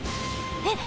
えっ？